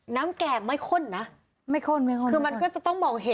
น้ำแกงไม่ข้นนะไม่ข้นคือมันก็จะต้องมองเห็น